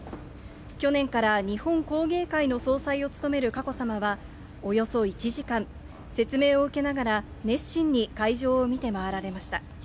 去年から日本工芸会の総裁を務める佳子さまは、およそ１時間、説明を受けながら熱心に会場を見て回られました。